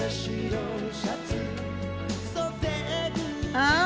あ！